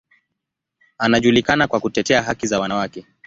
Anajulikana kwa kutetea haki za wanawake.